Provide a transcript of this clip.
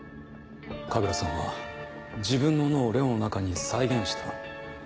神楽さんは自分の脳をＬＥＯの中に再現した。